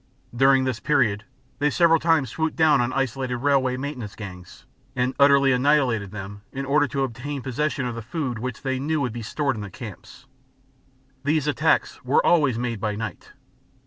During this period they several times swooped down on isolated railway maintenance gangs and utterly annihilated them, in order to obtain possession of the food which they knew would be stored in the camps. These attacks were always made by night.